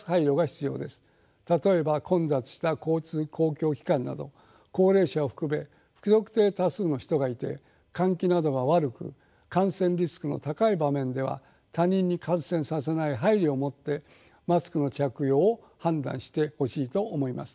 例えば混雑した公共交通機関など高齢者を含め不特定多数の人がいて換気などが悪く感染リスクの高い場面では他人に感染させない配慮をもってマスクの着用を判断してほしいと思います。